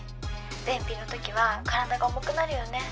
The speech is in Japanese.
便秘のときは体が重くなるよね